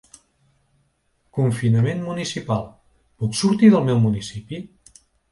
Confinament municipal: puc sortir del meu municipi?